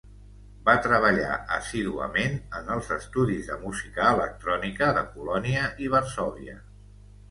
Va treballar assíduament en els estudis de música electrònica de Colònia i Varsòvia.